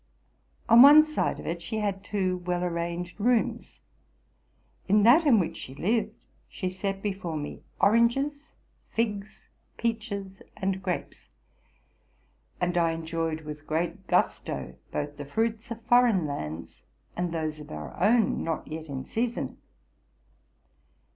On one side of it she had two well arranged rooms. In that in which she lived she set before me oranges, figs, peaches, and grapes ; and I enjoyed with great ousto both the fruits of foreign lands and those of our own not yet in season.